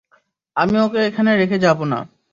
আমি ওকে এখানে রেখে যাব না।